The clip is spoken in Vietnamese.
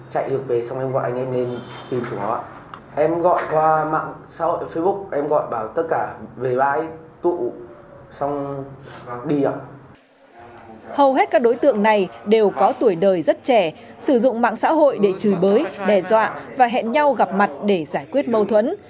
hầu hết các đối tượng này đều có tuổi đời rất trẻ sử dụng mạng xã hội để chửi bới đe dọa và hẹn gặp nhau gặp mặt để giải quyết mâu thuẫn